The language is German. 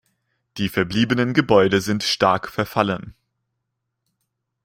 Die verbliebenen Gebäude sind stark verfallen.